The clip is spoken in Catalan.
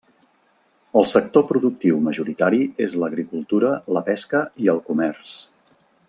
El sector productiu majoritari és l'agricultura, la pesca i el comerç.